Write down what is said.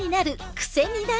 クセになる！